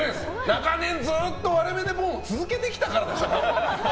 長年、ずっと「われめＤＥポン」を続けてきたからでしょ。